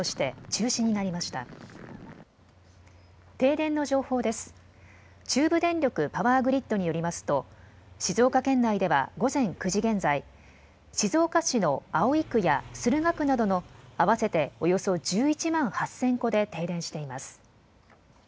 中部電力パワーグリッドによりますと静岡県内では午前９時現在、静岡市の葵区や駿河区などの合わせておよそ１１万８０００戸で停電しています。